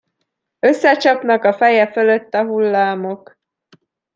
Összecsapnak a feje fölött a hullámok.